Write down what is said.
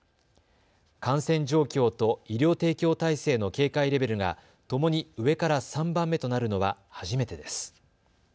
感染状況と医療提供体制の警戒レベルがともに上から３番目となるのは初めてです。